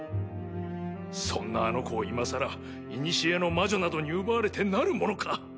そんなあの子を今更古の魔女などに奪われてなるものか！